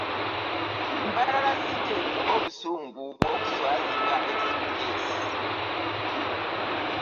Mbarara city eriko obusungu bwokuswazibwa express.